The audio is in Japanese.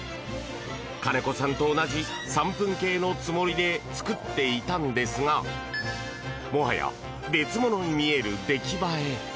金子さんと同じ３分計のつもりで作っていたのですがもはや別物に見える出来栄え。